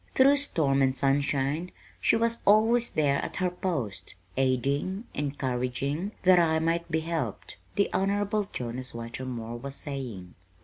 "Through storm and sunshine, she was always there at her post, aiding, encouraging, that I might be helped," the Honorable Jonas Whitermore was saying.